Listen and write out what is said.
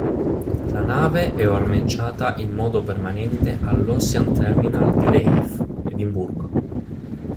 La nave è ormeggiata in modo permanente all'Ocean Terminal di Leith, Edimburgo.